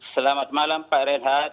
selamat malam pak redhat